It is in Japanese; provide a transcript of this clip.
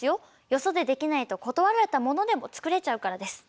よそで「できない」と断られたものでも作れちゃうからです。